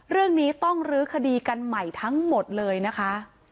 เรื่องนี้ต้องลื้อคดีกันใหม่ทั้งหมดเลยนะคะ